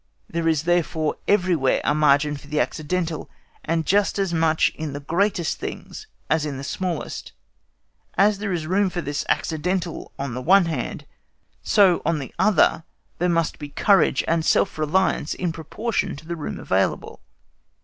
There is therefore everywhere a margin for the accidental, and just as much in the greatest things as in the smallest. As there is room for this accidental on the one hand, so on the other there must be courage and self reliance in proportion to the room available.